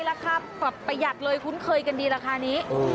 ราคาปรับประหยัดเลยคุ้นเคยกันดีราคานี้